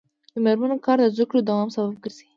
د میرمنو کار د زدکړو دوام سبب ګرځي.